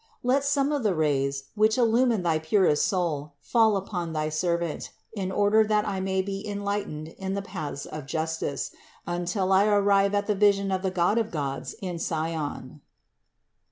Let some of the rays, which illumine thy purest soul fall upon thy servant, in order that I may be en lightened in the paths of justice, until I arrive at the vision of the God of gods in Sion."